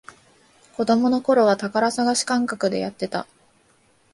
子供のころは宝探し感覚でやってた